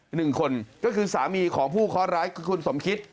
หนึ่งคนก็คือสามีของผู้เคาะร้ายคือคุณสมคิต